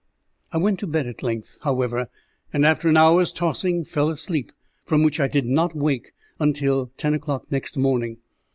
I went to bed at length, however, and, after an hour's tossing, fell asleep, from which I did not wake until ten o'clock next morning.